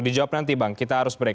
dijawab nanti bang kita harus break